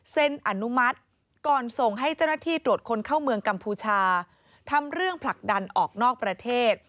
อนุมัติก่อนส่งให้เจ้าหน้าที่ตรวจคนเข้าเมืองกัมพูชาทำเรื่องผลักดันออกนอกประเทศ